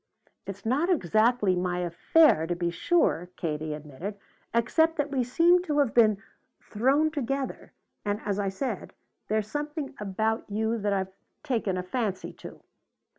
"It's not exactly my affair, to be sure," Katie admitted; "except that we seem to have been thrown together, and, as I said, there's something about you that I've taken a fancy to."